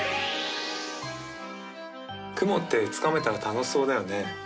雲ってつかめたら楽しそうだよね。